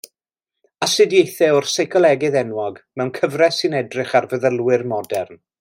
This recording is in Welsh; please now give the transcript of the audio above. Astudiaethau o'r seicolegydd enwog, mewn cyfres sy'n edrych ar feddylwyr modern.